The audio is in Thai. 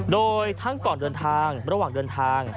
โดยทั้งก่อนเดินทางระหว่างเดินทาง